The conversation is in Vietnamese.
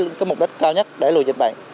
để đẩy cái mục đích cao nhất đẩy lùi dịch bệnh